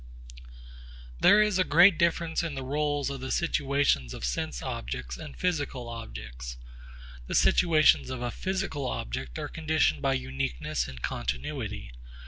There is a great difference in the rôles of the situations of sense objects and physical objects. The situations of a physical object are conditioned by uniqueness and continuity.